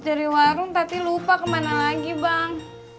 dari warung tapi lupa kemana lagi bang